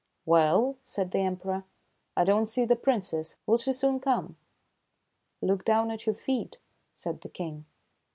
"Well," said the Emperor, "I don't see the Princess. Will she soon come ?"" Look down at your feet," said the King.